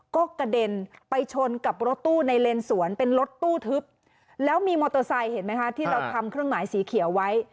ก็กระเด็นไปชนกับรถตู้ในเลนสวนเป็นรถตู้ทึบแล้วมีมอเตอร์ไซค์เห็นไหมคะที่เราทำเครื่องหมายสีเขียวไว้